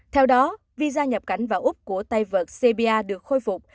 theo đó visa nhập cảnh vào úc của tay vợt cbia được khôi phục